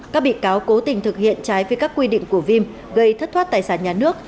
các bị cáo cố tình thực hiện trái với các quy định của vim gây thất thoát tài sản nhà nước